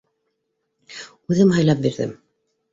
— Үҙем һайлап бирҙем.